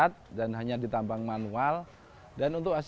terdapat banyak tempat yang perlu ditolong ditambang ini